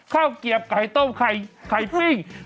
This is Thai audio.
เกียบไก่ต้มไข่ปิ้ง